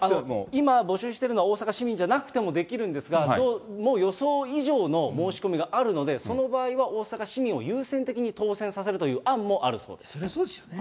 今、募集しているのは大阪市民じゃなくてもできるんですが、どうも予想以上の申し込みがあるので、その場合は大阪市民を優先的に当せんさせるという案もあるそうでそりゃそうでしょうね。